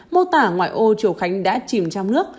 mô tả ngoại ô triều khánh đã chìm trong nước